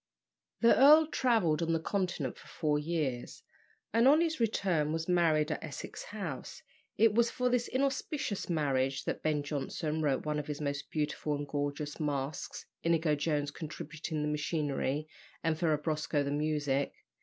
The earl travelled on the Continent for four years, and on his return was married at Essex House. It was for this inauspicious marriage that Ben Jonson wrote one of his most beautiful and gorgeous masques, Inigo Jones contributing the machinery, and Ferrabosco the music.